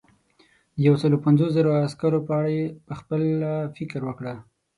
د یو سلو پنځوس زرو عسکرو په اړه پخپله فکر وکړه.